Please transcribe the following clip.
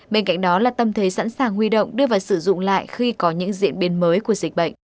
bên cạnh đó là tâm thế sẵn sàng huy động đưa vào sử dụng lại khi có những diễn biến mới của dịch bệnh